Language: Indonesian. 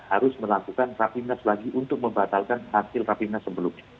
harus melakukan rafimnas lagi untuk membatalkan hasil rafimnas sebelumnya